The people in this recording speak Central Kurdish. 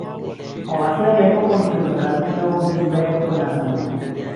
ھاوڵاتی ھەر لە یەکەم رۆژی دەستبەکاربوونیەوە وەک مینبەرێک خۆی ناساندووە